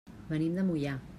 Venim de Moià.